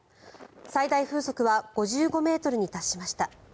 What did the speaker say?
最大風速は５５ｍに達しました。